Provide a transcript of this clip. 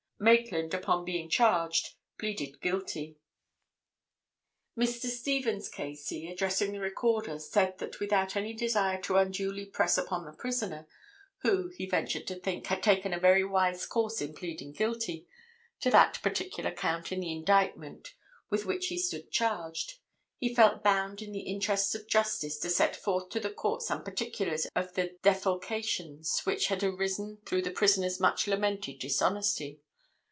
"Maitland, upon being charged, pleaded guilty. "Mr. Stephens, K.C., addressing the Recorder, said that without any desire to unduly press upon the prisoner, who, he ventured to think, had taken a very wise course in pleading guilty to that particular count in the indictment with which he stood charged, he felt bound, in the interests of justice, to set forth to the Court some particulars of the defalcations which had arisen through the prisoner's much lamented dishonesty.